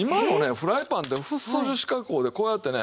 フライパンってフッ素樹脂加工でこうやってね